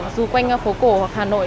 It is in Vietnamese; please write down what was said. dù quanh phố cổ hoặc hà nội